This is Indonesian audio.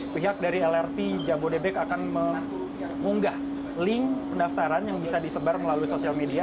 pihak dari lrt jabodebek akan mengunggah link pendaftaran yang bisa disebar melalui sosial media